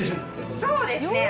そうですね。